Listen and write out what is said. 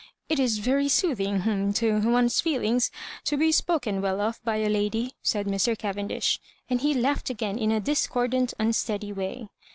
It is very soothing to one's feelings to be spoken well of by a lady," said Mr. Cavendish, and he laughed again in a discordant unsteady way.